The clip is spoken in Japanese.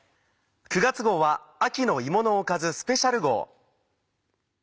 ９月号は秋の芋のおかずスペシャル号。